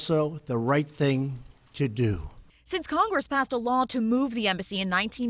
setelah kongres mengucapkan peraturan untuk memindahkan embasi di seribu sembilan ratus sembilan puluh lima